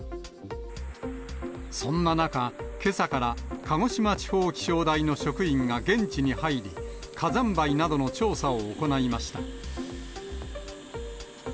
そんな中、けさから、鹿児島地方気象台の職員が現地に入り、火山灰などの調査を行いました。